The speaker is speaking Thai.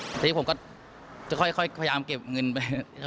ทีนี้ผมก็จะค่อยพยายามเก็บเงินไป